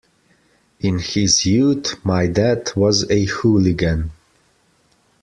In his youth my dad was a hooligan.